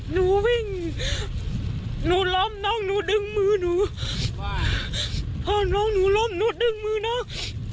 หนูวิ่งหนูล้มน้องหนูดึงมือหนูว่าพ่อน้องหนูล้มหนูดึงมือน้อง